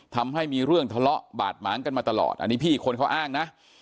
ทำให้มีเรื่องทะเลาะบาดหมางกันมาตลอดอันนี้พี่คนเขาอ้างนะ